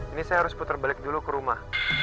ini saya harus putar balik dulu ke rumah